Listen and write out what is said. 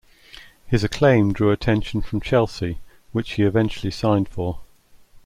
His acclaim drew attention from Chelsea which he eventually signed for.